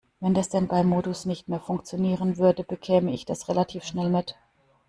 Wenn der Standby-Modus nicht mehr funktionieren würde, bekäme ich das relativ schnell mit.